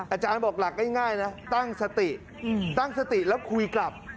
อาจารย์บอกหลักง่ายนะตั้งสติตั้งสติแล้วคุยกลับ